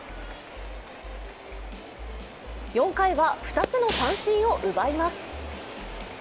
４回は２つの三振を奪います。